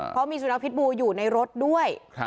เพราะมีสุนัขพิษบูอยู่ในรถด้วย